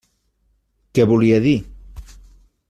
Què volia dir?